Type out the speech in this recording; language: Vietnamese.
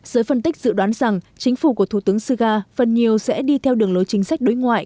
giới phân tích dự đoán rằng chính phủ của thủ tướng suga phần nhiều sẽ đi theo đường lối chính sách đối ngoại